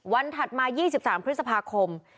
ถัดมา๒๓พฤษภาคม